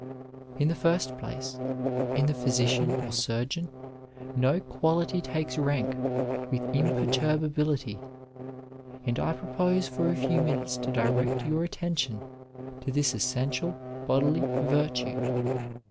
In the first place, in the physician or surgeon no quality takes rank with imperturbability, and I propose for a few minutes to direct your attention to this essential bodily virtue.